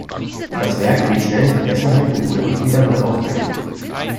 Das Werk geriet schnell in Vergessenheit und wurde nicht wieder neu aufgelegt.